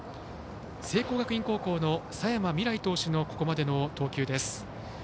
聖光学院高校の佐山未來投手のここまでの投球です。